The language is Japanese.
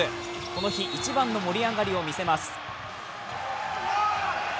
この日一番の盛り上がりを見せます。